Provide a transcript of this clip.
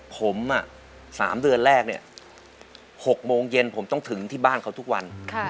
ผม๓เดือนแรกเนี่ย๖โมงเย็นผมต้องถึงที่บ้านเขาทุกวัน